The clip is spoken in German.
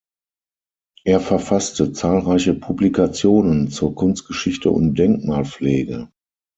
Er verfasste zahlreiche Publikationen zur Kunstgeschichte und Denkmalpflege.